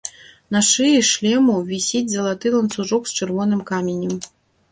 На шыі шлему вісіць залаты ланцужок з чырвоным каменем.